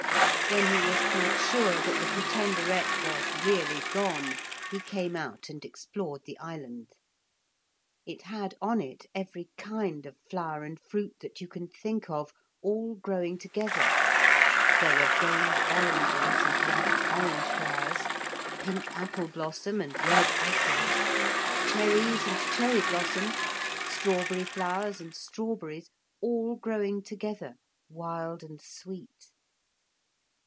When he was quite sure that the Pretenderette was really gone, he came out and explored the island. It had on it every kind of flower and fruit that you can think of, all growing together. There were gold oranges and white orange flowers, pink apple blossom and red apples, cherries and cherry blossom, strawberry flowers and strawberries, all growing together, wild and sweet.